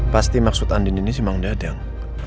pasti maksud andi nindi sih mang dadang